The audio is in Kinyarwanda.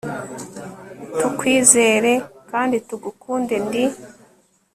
tukwizere kandi tugukunde, ndi